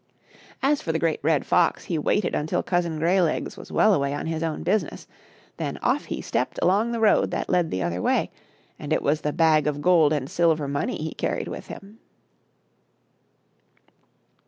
As for the Great Red Fox, he waited until Cousin Greylegs was well away on his own business, then off he stepped along the road that led the other way, and it was the bag of gold and silver money he carried with him.